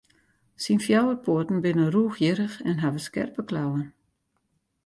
Syn fjouwer poaten binne rûchhierrich en hawwe skerpe klauwen.